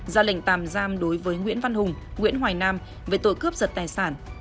ra lệnh tạm giam đối với nguyễn văn hùng nguyễn hoài nam về tội cướp giật tài sản